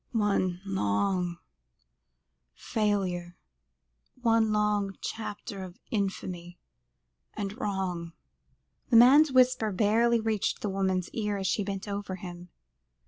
"One long failure one long chapter of infamy and wrong," the man's whisper barely reached the woman's ears, as she bent over him.